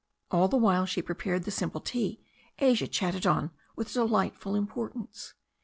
All the while she prepared the simple tea Asia chatted on with delightful importance.